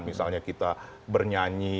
misalnya kita bernyanyi